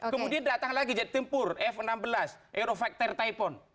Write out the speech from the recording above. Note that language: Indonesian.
kemudian datang lagi jet tempur f enam belas aerofacted taiphone